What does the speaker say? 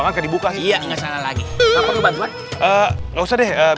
ngebuka iya enggak salah lagi